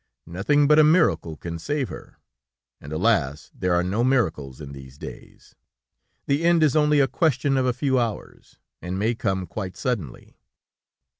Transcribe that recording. Nothing but a miracle can save her, and alas! there are no miracles in these days. The end is only a question of a few hours, and may come quite suddenly...."